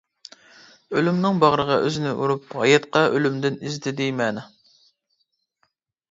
ئۆلۈمنىڭ باغرىغا ئۆزىنى ئۇرۇپ، ھاياتقا ئۆلۈمدىن ئىزدىدى مەنە.